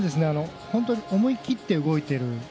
本当に思い切って動いている。